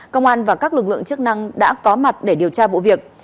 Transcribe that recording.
công an và các lực lượng chức năng đã có mặt để điều tra vụ việc